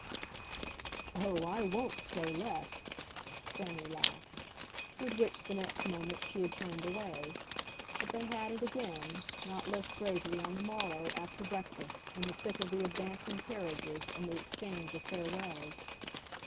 "Oh, I WON'T say less!" Fanny laughed; with which, the next moment, she had turned away. But they had it again, not less bravely, on the morrow, after breakfast, in the thick of the advancing carriages and the exchange of farewells.